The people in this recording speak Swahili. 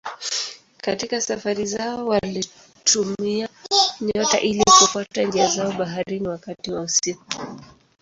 Katika safari zao walitumia nyota ili kufuata njia zao baharini wakati wa usiku.